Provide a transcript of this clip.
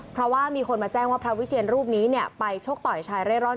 เพราะว่ามีคนมาแจ้งว่าพระวิเชียนรูปนี้ไปชกต่อยชายเร่ร่อน